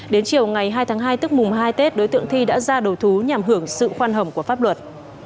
đến chiều ngày hai tháng hai tức mùng hai tết đối tượng thi đã ra đầu thú nhằm hưởng sự khoan hồng của pháp luật